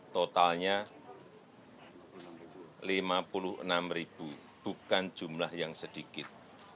totalnya rp lima puluh enam bukan jumlah yang sedikit